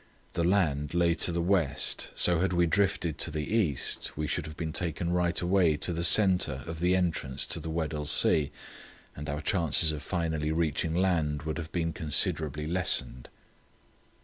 The land lay to the west, so had we drifted to the east we should have been taken right away to the centre of the entrance to the Weddell Sea, and our chances of finally reaching land would have been considerably lessened.